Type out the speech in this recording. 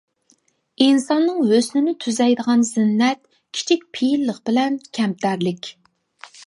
ئىنساننىڭ ھۆسنىنى تۈزەيدىغان زىننەت-كىچىك پېئىللىق بىلەن كەمتەرلىك.